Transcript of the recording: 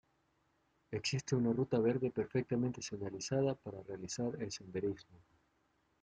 Existe una ruta verde perfectamente señalizada para realizar el senderismo.